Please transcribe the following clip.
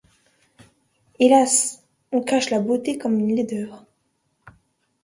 Hélas! on cache la beauté comme une laideur.